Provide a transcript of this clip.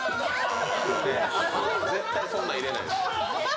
絶対そんなの入れない。